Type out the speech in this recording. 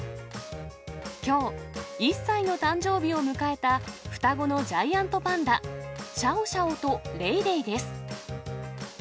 きょう、１歳の誕生日を迎えた、双子のジャイアントパンダ、シャオシャオとレイレイです。